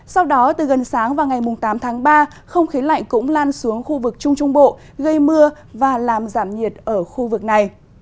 sau đó từ gần sáng và ngày tám tháng ba không khí lạnh cũng lan xuống khu vực trung trung bộ gây mưa và làm giảm nhiệt ở khu vực này